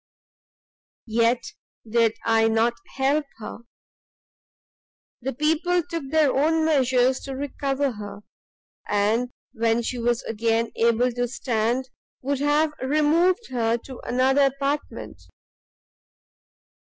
"Yet did I not help her; the people took their own measures to recover her, and when she was again able to stand, would have removed her to another apartment.